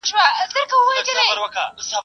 موټر چلونکی به سبا بیا په همدې ځای کې ولاړ وي.